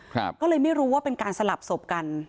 ก็เลยไม่รู้ว่าเป็นการสลับศพกัน